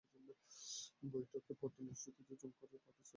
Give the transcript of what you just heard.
বৈঠকে প্রতি মসজিদে দুজনকে করে পাতা ছেঁড়ার জন্য দায়িত্ব দেওয়া হয়।